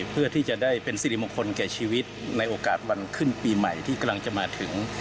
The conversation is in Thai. เพื่อที่จะได้เป็นสิริมงคลแก่ชีวิตในโอกาสวันขึ้นปีใหม่ที่กำลังจะมาถึง